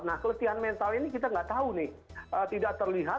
nah keletihan mental ini kita tidak tahu tidak terlihat